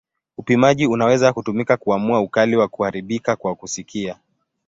Upimaji unaweza kutumika kuamua ukali wa kuharibika kwa kusikia.